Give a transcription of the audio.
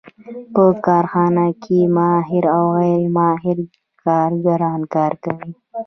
په کارخانه کې ماهر او غیر ماهر کارګران کار کوي